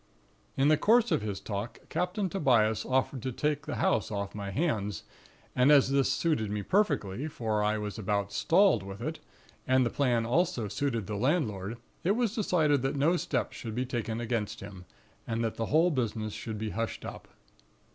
"In the course of his talk, Captain Tobias offered to take the house off my hands; and as this suited me perfectly, for I was about stalled with it, and the plan also suited the landlord, it was decided that no steps should be taken against him; and that the whole business should be hushed up.